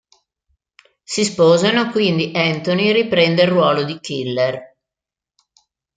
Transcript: Si sposano, quindi Anthony riprende il ruolo di killer.